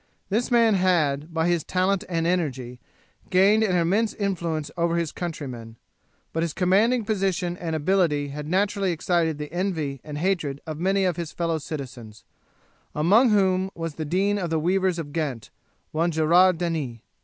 This man had, by his talent and energy, gained an immense influence over his countrymen; but his commanding position and ability had naturally excited the envy and hatred of many of his fellow citizens, among whom was the dean of the weavers of Ghent, one Gerard Denis.